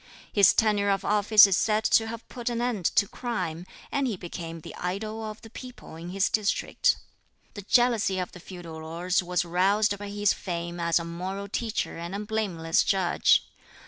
His tenure of office is said to have put an end to crime, and he became the "idol of the people" in his district. The jealousy of the feudal lords was roused by his fame as a moral teacher and a blameless judge.